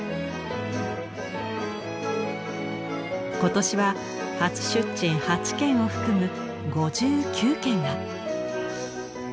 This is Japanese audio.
今年は初出陳８件を含む５９件が。